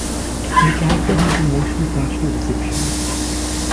The character has a mostly positive reception.